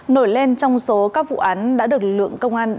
nổi lên trong số các vụ án đã được lượng công an đánh giá